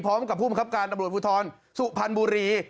พร้อมกับผู้มันครับการอบรวมภูทรสุภัณฑ์บุรี